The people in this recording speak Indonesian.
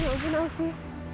ya ampun afif